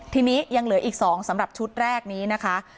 ทีนี้ยังเหลืออีก๒สำหรับชุดแรกนี้นะคะ